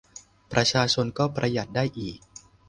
ประชาชนก็ประหยัดได้อีก